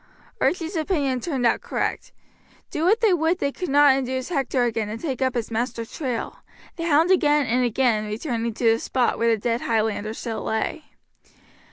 Archie's opinion turned out correct. Do what they would they could not induce Hector again to take up his master's trail, the hound again and again returning to the spot where the dead Highlander still lay.